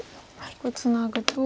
これツナぐと。